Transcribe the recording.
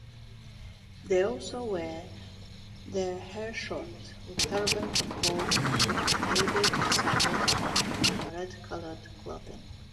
They also "wear their hair short, with turban of gold-brocaded satin", and red-coloured clothing.